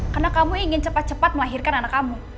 karena kamu ingin cepat cepat melahirkan anak kamu